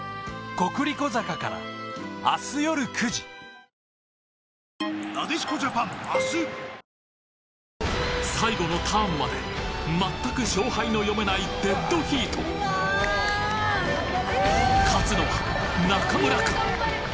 「サッポロ濃いめのレモンサワー」最後のターンまで全く勝敗の読めないデッドヒート勝つのは中村か？